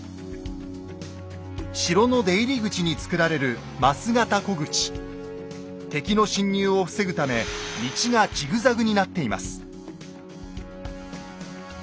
城の出入り口に造られる敵の侵入を防ぐため道がジグザグになっています。